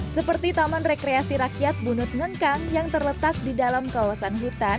seperti taman rekreasi rakyat bunut ngengkang yang terletak di dalam kawasan hutan